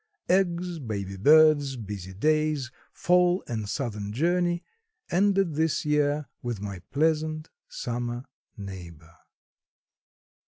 Eggs, baby birds, busy days, fall and southern journey, ended this year with my pleasant summer neighbor.